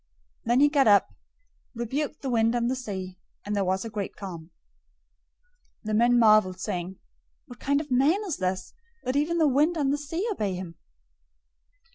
Then he got up, rebuked the wind and the sea, and there was a great calm. 008:027 The men marveled, saying, "What kind of man is this, that even the wind and the sea obey him?"